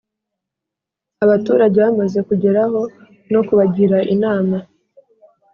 abaturage bamaze kugeraho no kubagira inama